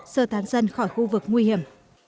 sơ tán dân khỏi khu vực nguy hiểm